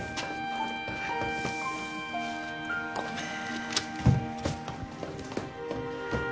ごめん。